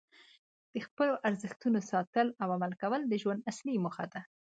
د خپلو ارزښتونو ساتل او عمل کول د ژوند اصلي موخه ده.